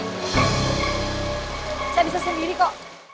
sampai jumpa di video selanjutnya